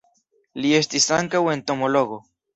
Li estis ankaŭ entomologo.